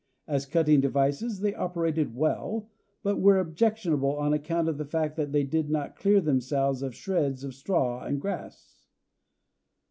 As cutting devices they operated well, but were objectionable on account of the fact that they did not clear themselves of shreds of straw and grass.